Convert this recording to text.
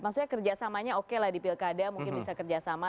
maksudnya kerjasamanya oke lah di pilkada mungkin bisa kerjasama